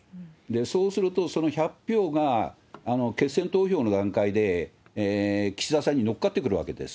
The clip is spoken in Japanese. そうすると、その１００票が決選投票の段階で岸田さんに乗っかってくるわけです。